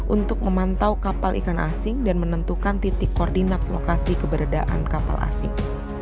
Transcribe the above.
untuk memantau kapal ikan asing dan menentukan titik koordinat lokasi keberadaan kapal asing